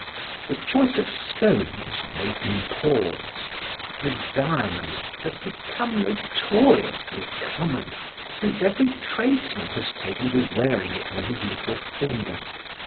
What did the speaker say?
The choice of stones made him pause. The diamond has become notoriously common since every tradesman has taken to wearing it on his little finger.